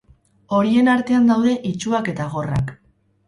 Horien artean daude itsuak eta gorrak.